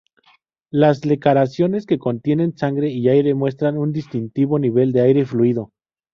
Las laceraciones que contienen sangre y aire muestran un distintivo nivel de aire-fluido.